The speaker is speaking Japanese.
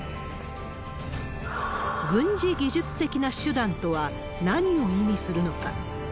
軍事技術的な手段とは、何を意味するのか。